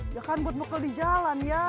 ya kan buat mukel di jalan ya